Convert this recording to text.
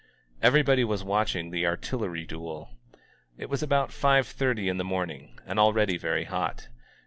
Everybody was watching the artillery duel. It was about five thirty in the morning, * and already very hot.